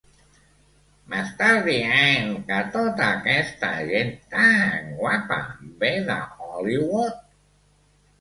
M'estàs dient que tota aquesta gent tan guapa ve de Hollywood?